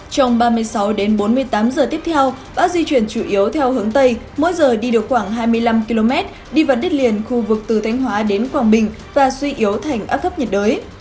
trong ba mươi sáu bốn mươi tám giờ tiếp theo bã di chuyển chủ yếu theo hướng tây mỗi giờ đi được khoảng hai mươi năm km đi vấn đích liền khu vực từ thanh hóa đến quảng bình và suy yếu thành áp thấp nhật đới